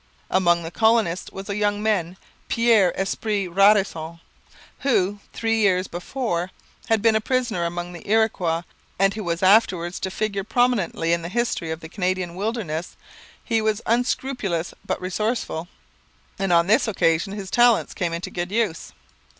Among the colonists was a young man, Pierre Esprit Radisson, who three years before had been a prisoner among the Iroquois and who was afterwards to figure prominently in the history of the Canadian wilderness. He was unscrupulous but resourceful; and on this occasion his talents came into good use.